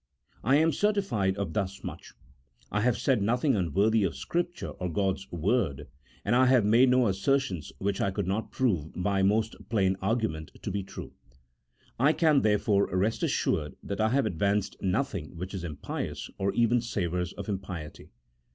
I am certified of thus much : I have said nothing un worthy of Scripture or God's Word, and I have made no assertions which I could not prove by most plain argu ment to be true. I can, therefore, rest assured that I have advanced nothing which is impious or even savours of impiety.